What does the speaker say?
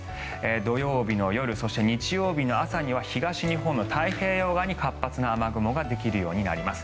土曜日の夜そして日曜日の朝には東日本の太平洋側に活発な雨雲ができるようになります。